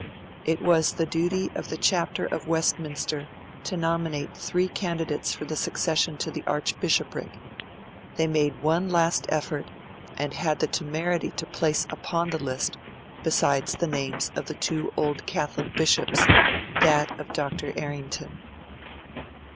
It was the duty of the Chapter of Westminster to nominate three candidates for succession to the Archbishopric; they made one last effort, and had the temerity to place upon the list, besides the names of two Old Catholic bishops, that of Dr. Errington.